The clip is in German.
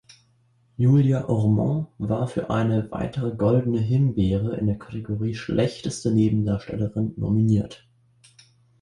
Julia Ormond war für eine weitere Goldene Himbeere in der Kategorie "Schlechteste Nebendarstellerin" nominiert.